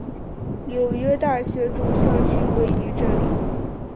纽约大学主校区位于这里。